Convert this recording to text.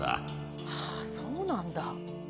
はあそうなんだ。